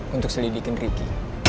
untuk selidikin ricky